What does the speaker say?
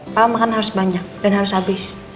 kalau makan harus banyak dan harus habis